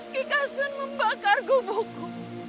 kikasun membakar gubuku